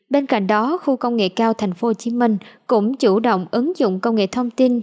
bên cạnh đó khu công nghệ cao tp hcm cũng chủ động ứng dụng công nghệ thông tin